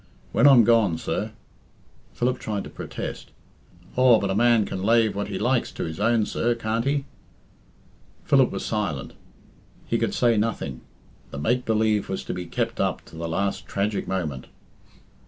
When I'm gone, sir " Philip tried to protest. "Aw, but a man can lave what he likes to his own, sir, can't he?" Philip was silent. He could say nothing. The make believe was to be kept up to the last tragic moment.